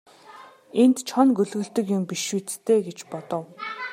Энд чоно гөлөглөдөг юм биш биз дээ гэж бодов.